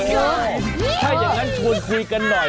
ถ้าอย่างนั้นชวนคุยกันหน่อย